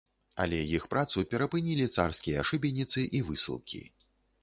Але іх працу перапынілі царскія шыбеніцы і высылкі.